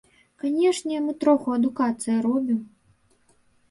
Канешне, мы троху адукацыі робім.